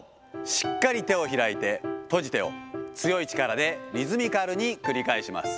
しっかり手を開いて閉じてを強い力でリズミカルに繰り返します。